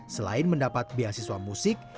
selain mendapat beasiswa musik